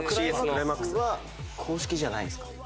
クライマックスは公式じゃないんですか？